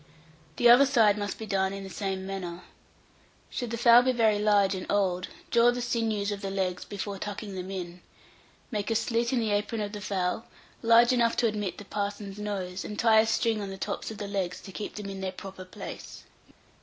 The other side must be done in the same manner. Should the fowl be very large and old, draw the sinews of the legs before tucking them in. Make a slit in the apron of the fowl, large enough to admit the parson's nose, and tie a string on the tops of the legs to keep them in their proper place.